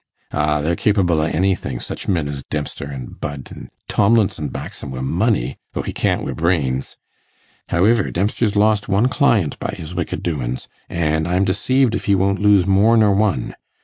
'Ah, they're capible o' anything, such men as Dempster an' Budd; an' Tomlinson backs 'em wi' money, though he can't wi' brains. Howiver, Dempster's lost one client by his wicked doins, an' I'm deceived if he won't lose more nor one.